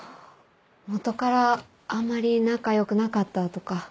元からあんまり仲良くなかったとか？